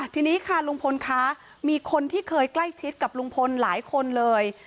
ทีนี้ค่ะลุงพลคะมีคนที่เคยใกล้ชิดกับลุงพลหลายคนเลย